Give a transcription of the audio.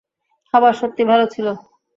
খাবার সত্যিই ভালো ছিল।